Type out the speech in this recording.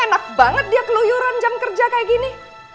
enak banget dia keluyuran jam kerja kayak gini